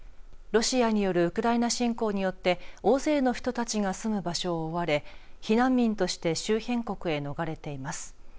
ロシアによるウクライナ侵攻によって、大勢の人たちが住む場所を追われ避難民として周辺国へ逃れています。